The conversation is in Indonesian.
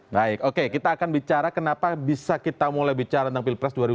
baik oke kita akan bicara kenapa bisa kita mulai bicara tentang pilpres dua ribu sembilan belas